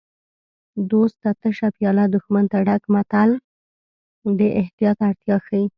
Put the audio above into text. دوست ته تشه پیاله دښمن ته ډکه متل د احتیاط اړتیا ښيي